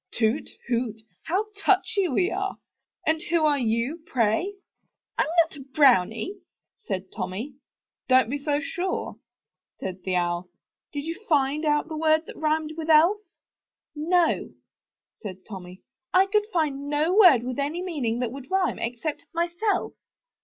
"Hoot! toot! How touchy we are! And who are you, pray? "I'm not a brownie," said Tommy. "Don*t be too sure," said the Owl. "Did you find out the word that rhymed with Elf?" "No, said Tommy, "I could find no word with any meaning that would rhyme, except, 'myself.